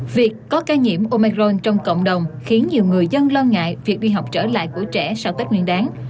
việc có ca nhiễm omeron trong cộng đồng khiến nhiều người dân lo ngại việc đi học trở lại của trẻ sau tết nguyên đáng